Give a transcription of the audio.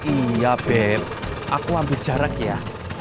iya bem aku ambil jarak ya